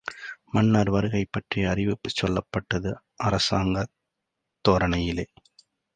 மன்னர் வருகை பற்றிய அறிவிப்புச் சொல்லப்பட்டது, அரசாங்கத் தோரணையில்!